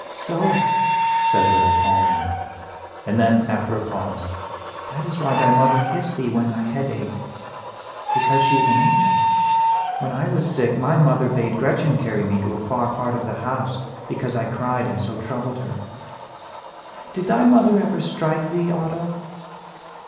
"So!" said little Pauline; and then, after a pause, "That is why thy mother kissed thee when thy head ached because she is an angel. When I was sick my mother bade Gretchen carry me to a far part of the house, because I cried and so troubled her. Did thy mother ever strike thee, Otto?"